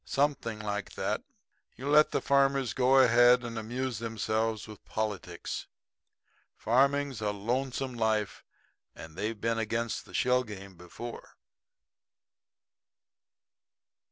"Something like that. You let the farmers go ahead and amuse themselves with politics. Farming's a lonesome life; and they've been against the shell game before."